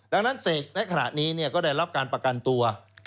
ดังนั้นเสกในขณะนี้ก็ได้รับการประกันตัว